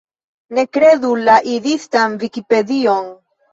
Ne kredu la Idistan Vikipedion!